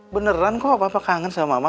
beneran kok papa kangen sama mama